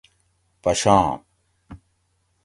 پشان